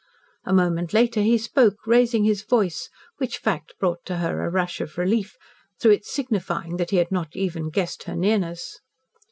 A moment later he spoke, raising his voice, which fact brought to her a rush of relief, through its signifying that he had not even guessed her nearness.